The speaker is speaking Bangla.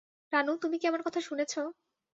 রানু, তুমি কি আমার কথা শুনেছ?